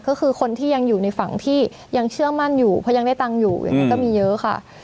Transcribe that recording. ก็คือคนที่ยังอยู่ในฝั่งที่ยังเชื่อมั่นอยู่เพราะยังได้ตังค์อยู่อย่างนั้นก็มีเยอะค่ะ